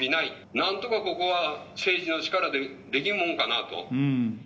なんとかここは、政治の力でできんもんかなと。